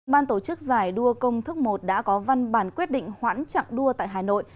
ban tổ chức giải đua công thức một đã có văn bản quyết định hoãn chặng đua tại hà nội